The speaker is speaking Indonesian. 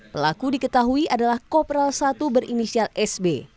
pelaku diketahui adalah kopral satu berinisial sb